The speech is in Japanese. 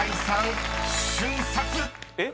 えっ？